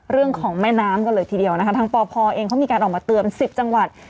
เรื่องของแม่น้ำกันเลยทีเดียวนะคะทางปพเองเขามีการออกมาเตือน๑๐จังหวัด